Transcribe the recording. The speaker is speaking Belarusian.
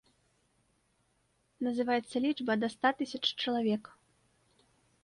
Называецца лічба да ста тысяч чалавек.